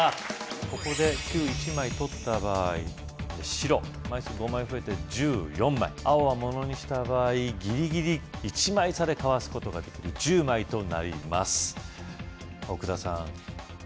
ここで９１枚取った場合白枚数５枚増えて１４枚青はものにした場合ギリギリ１枚差でかわすことができる１０枚となります奥田さん相方さん